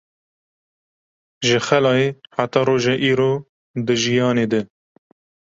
Ji xelayê heta roja îro di jiyanê de